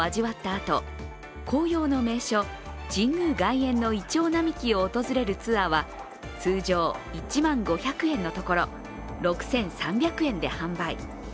あと紅葉の名所・神宮外苑のいちょう並木を訪れるツアーは通常１万５００円のところ６３００円で販売。